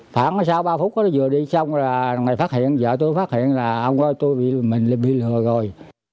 khoảng sau ba phút nó vừa đi xong là người này phát hiện vợ tôi phát hiện là ông ơi tôi bị lừa rồi